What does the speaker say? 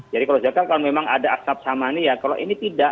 jadi kalau zad kalau memang ada ashab sama ini ya kalau ini tidak